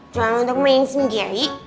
jangan lupa main sendiri